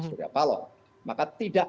surya paloh maka tidak